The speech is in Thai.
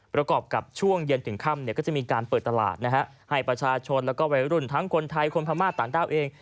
ประกอบกับช่วงเย็นถึงค่ำก็จะมีการเปิดตลาดให้ประชาชนแล้วก็วัยรุ่นทั้งคนไทยคนพม่าต่างด้าวเอง